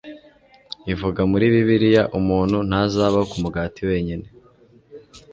ivuga muri bibiliya, umuntu ntazabaho ku mugati wenyine